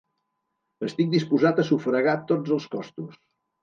Estic disposat a sufragar tots els costos.